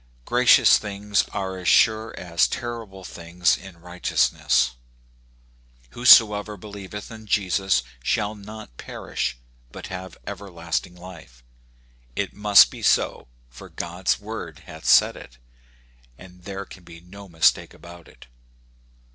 Gracious things are as sure as " terrible things in righteousness.*' " Whoso ever believeth in Jesus shall not perish, but have everlasting life. It must be so, for God*s word hath said it, and there can be no mistake about it.